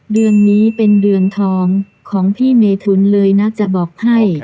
เดือนนี้เป็นเดือนทองของพี่เมทุนเลยนะจะบอกให้